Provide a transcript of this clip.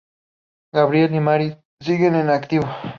Gabriel y Marie siguen en activo.